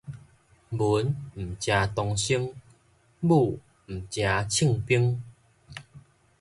文毋成童生，武毋成銃兵